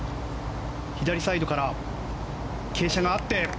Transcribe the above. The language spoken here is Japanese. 左サイドから傾斜があって。